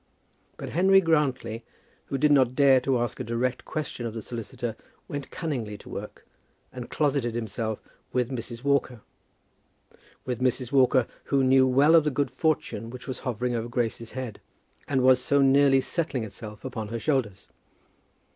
But Henry Grantly, who did not dare to ask a direct question of the solicitor, went cunningly to work, and closeted himself with Mrs. Walker, with Mrs. Walker, who knew well of the good fortune which was hovering over Grace's head and was so nearly settling itself upon her shoulders.